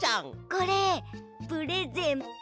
これプレゼント。